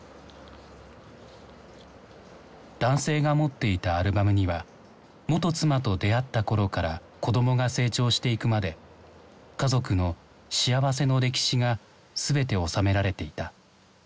男性が持っていたアルバムには元妻と出会った頃から子どもが成長していくまで家族の幸せの歴史が全て収められていた。